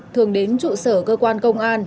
thường đến trụ sở cơ quan công an